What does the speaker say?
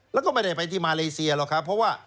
แล้วก็ไม่ได้ไปที่มาเลเซียหรอกครับเพราะว่า